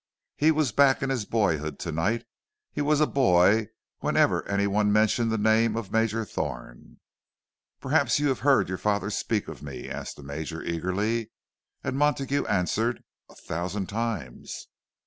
He was back in his boyhood to night—he was a boy whenever anyone mentioned the name of Major Thorne. "Perhaps you have heard your father speak of me?" asked the Major, eagerly; and Montague answered, "A thousand times."